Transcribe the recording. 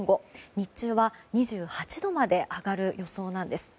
日中は２８度まで上がる予想なんです。